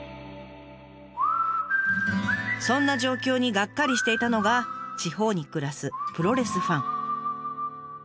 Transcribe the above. そんな状況にがっかりしていたのが地方に暮らすプロレスファン。